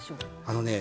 あのね